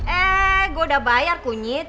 eh gue udah bayar kunyit